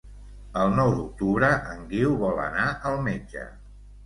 El nou d'octubre en Guiu vol anar al metge.